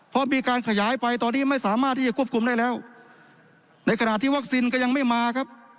เพราะมีการขยายไปตอนนี้ไม่สามารถที่จะควบคุมได้แล้วในขณะที่วัคซีนก็ยังไม่มาครับ